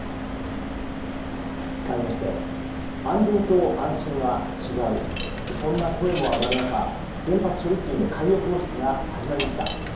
かわりまして安心と安全は違うそんな声も上がる中原発処理水の海洋放出が始まりました。